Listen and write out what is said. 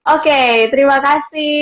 oke terima kasih